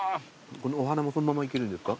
このお花もそのままいけるんですか？